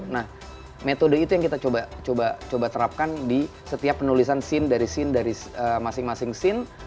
nah metode itu yang kita coba terapkan di setiap penulisan scene dari scene dari masing masing scene